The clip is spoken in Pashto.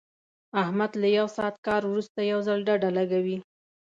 احمد له یو ساعت کار ورسته یو ځل ډډه لګوي.